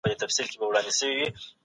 دولت خپل مصارف زیات کړي دي.